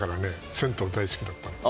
銭湯大好きだったの。